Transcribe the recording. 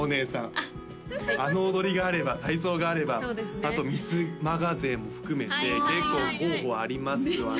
あっはいあの踊りがあれば体操があればあとミスマガ勢も含めて結構候補ありますわね